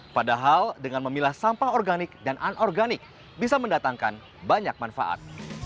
padahal dengan memilah sampah organik dan anorganik bisa mendatangkan banyak manfaat